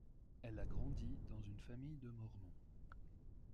Elle a grandi dans une famille de Mormons.